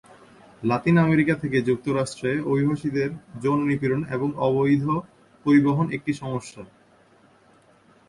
Latin America থেকে যুক্তরাষ্ট্রে অভিবাসীদের যৌন নিপীড়ন এবং অবৈধ পরিবহন একটি সমস্যা।